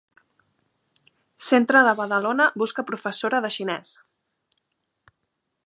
Centre de Badalona busca professora de xinès.